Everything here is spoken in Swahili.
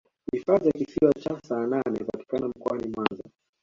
hifadhi ya kisiwa cha saanane inapatika mkoani mwanza